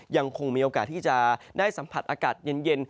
ยังคงมีโอกาสที่จะได้สัมผัสอากาศเย็น